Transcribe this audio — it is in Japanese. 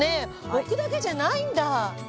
置くだけじゃないんだ。